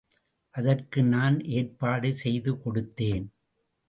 அதற்கு நான் ஏற்பாடு செய்து கொடுத்தேன்.